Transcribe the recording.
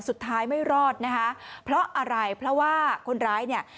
สุดท้ายไม่รอดนะคะเพราะอะไรเพราะว่าคนร้ายเนี่ย